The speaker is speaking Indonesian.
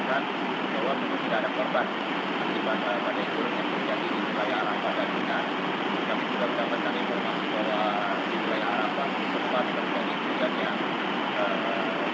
bahwa itu tidak ada perban akibatnya pada itu yang terjadi di wilayah alam bagaimana kami juga dapatkan informasi bahwa di wilayah alam bagaimana kita bisa menjadikan kondisi jamaah haji terasa